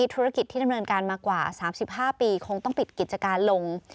ธุรกิจที่ดำเนินการมากว่า๓๕ปีคงต้องปิดกิจการลง